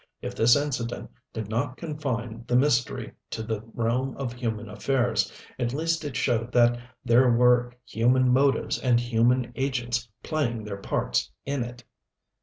If this incident did not confine the mystery to the realm of human affairs, at least it showed that there were human motives and human agents playing their parts in it.